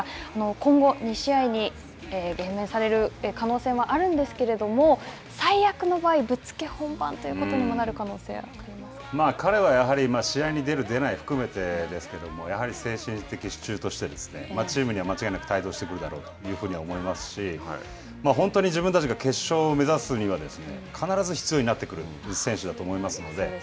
今後、２試合に減免される可能性はあるんですけれども、最悪の場合、ぶっつけ本番ということにも彼はやはり、試合に出る出ない含めてですけども、やはり精神的支柱としてチームには間違いなく帯同してくるだろうというふうには思いますし、本当に自分たちが決勝を目指すには、必ず必要になってくる選手だと思いますので。